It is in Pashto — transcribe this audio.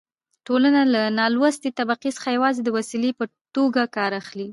ټولنه له نالوستې طبقې څخه يوازې د وسيلې په توګه کار اخلي.